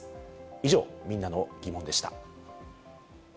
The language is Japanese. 以上、みんなのギモンでした。